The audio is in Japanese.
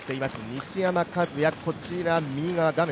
西山和弥、こちら右側画面